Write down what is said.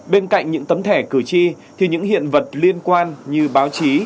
bên cạnh những tấm thẻ cử tri thì những hiện vật liên quan như báo chí